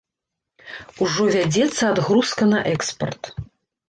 Ужо вядзецца адгрузка на экспарт.